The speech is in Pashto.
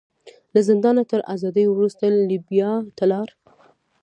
له زندانه تر ازادېدو وروسته لیبیا ته لاړ.